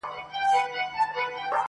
زه ولاړ وم٫